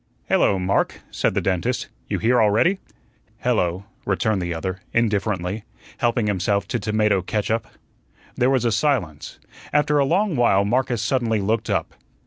"Hello, Mark," said the dentist, "you here already?" "Hello," returned the other, indifferently, helping himself to tomato catsup. There was a silence. After a long while Marcus suddenly looked up.